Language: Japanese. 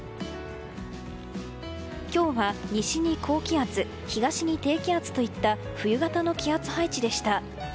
今日は、西に高気圧東に低気圧といった冬型の気圧配置でした。